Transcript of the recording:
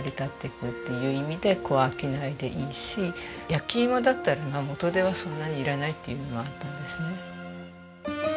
焼き芋だったら元手はそんなにいらないっていうのはあったんですね。